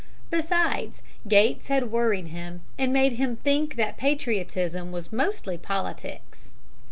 Besides, Gates had worried him, and made him think that patriotism was mostly politics.